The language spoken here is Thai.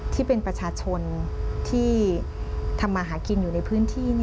ที่เป็นประชาชนที่ทำมาหากินอยู่ในพื้นที่